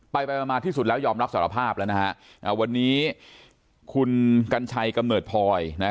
ไปไปมาที่สุดแล้วยอมรับสารภาพแล้วนะฮะวันนี้คุณกัญชัยกำเนิดพลอย